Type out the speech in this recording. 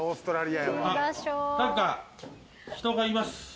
あっなんか人がいます。